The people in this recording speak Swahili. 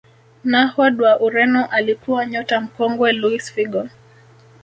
nahod wa ureno alikuwa nyota mkongwe luis Figo